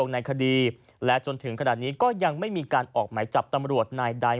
ในคดีและจนถึงขนาดนี้ก็ยังไม่มีการออกหมายจับตำรวจนายใด